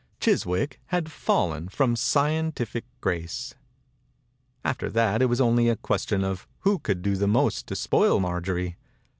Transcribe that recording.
Chiswick had fallen from scien tific grace. After that it was only a ques tion of who could do the most to spoil Marjorie.